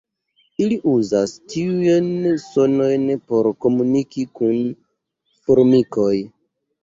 Ili uzas tiujn sonojn por komuniki kun formikoj.